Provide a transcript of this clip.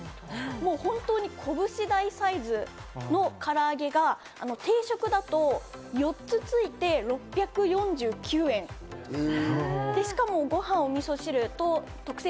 もう本当にこぶし大サイズの唐揚げが定食だと４つ付いて６４９円で、しかもご飯、お味噌汁と特製